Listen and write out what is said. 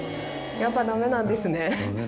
やっぱダメなんですね。